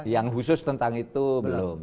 yang khusus tentang itu belum